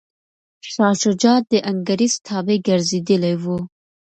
شاه شجاع د انګریز تابع ګرځېدلی و.